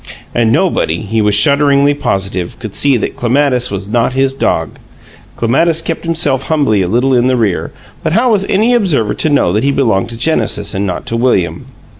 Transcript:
And nobody, he was shudderingly positive, could see that Clematis was not his dog (Clematis kept himself humbly a little in the rear, but how was any observer to know that he belonged to Genesis and not to William?)